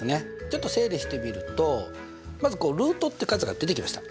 ちょっと整理してみるとまずこうルートって数が出てきました。